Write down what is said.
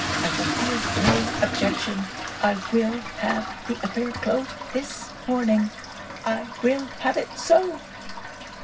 I will hear no objection! I will have the affair closed this morning! I will have it so!'